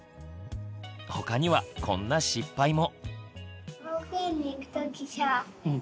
他にはこんな失敗も。